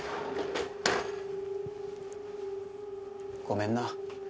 ごめんな。